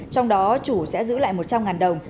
trong đó chủ sẽ giữ lại một trăm linh đồng